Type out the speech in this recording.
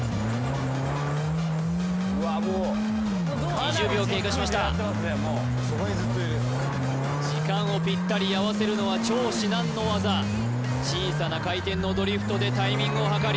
２０秒経過しました時間をぴったり合わせるのは超至難の業小さな回転のドリフトでタイミングを計り